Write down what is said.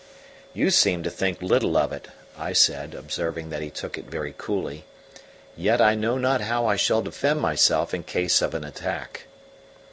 "You seem to think little of it," I said, observing that he took it very coolly. "Yet I know not how I shall defend myself in case of an attack."